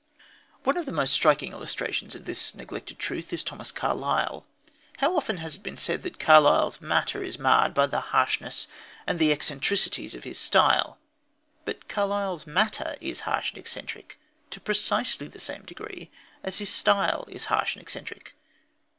One of the most striking illustrations of this neglected truth is Thomas Carlyle. How often has it been said that Carlyle's matter is marred by the harshness and the eccentricities of his style? But Carlyle's matter is harsh and eccentric to precisely the same degree as his style is harsh and eccentric.